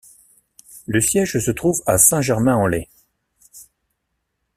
Le siège se trouve à Saint-Germain-en-Laye.